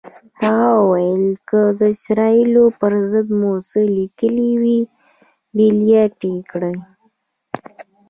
هغه ویل که د اسرائیلو پر ضد مو څه لیکلي وي، ډیلیټ یې کړئ.